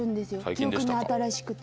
記憶に新しくて。